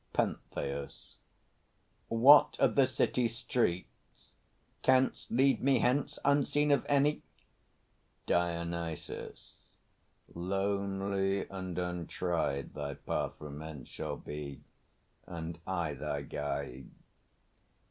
PENTHEUS. What of the city streets? Canst lead me hence Unseen of any? DIONYSUS. Lonely and untried Thy path from hence shall be, and I thy guide!